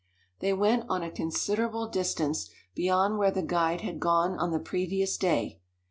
They went on a considerable distance beyond where the guide had gone on the previous day.